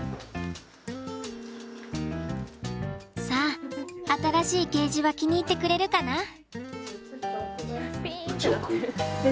さあ新しいケージは気に入ってくれるかな？